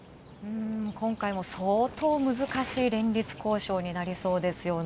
今回も相当難しい連立交渉になりそうですよね。